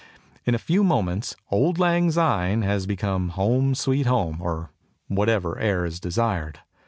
in a few moments "Auld Lang Syne" has become "Home, Sweet Home," or whatever air is desired.